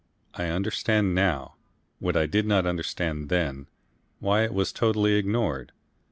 I understand now, what I did not understand then, why it was totally ignored.